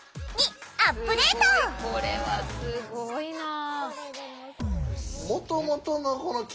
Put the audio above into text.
すごいこれはすごいなあ。